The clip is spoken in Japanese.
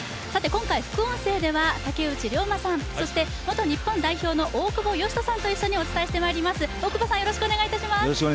今回、副音声では竹内涼真さん、そして元日本代表の大久保嘉人さんと一緒にお伝えしてまいります。